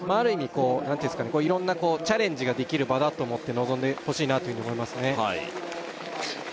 こう何ていうんですか色んなチャレンジができる場だと思って臨んでほしいなというふうに思いますね